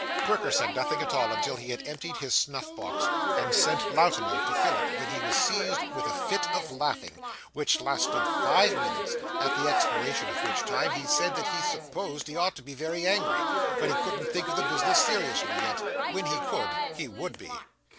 Perker said nothing at all until he had emptied his snuff box, and sent Lowten out to fill it, when he was seized with a fit of laughing, which lasted five minutes; at the expiration of which time he said that he supposed he ought to be very angry, but he couldn't think of the business seriously yet when he could, he would be.